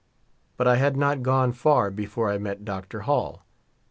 But I had not gone far before I met Dr. Hall.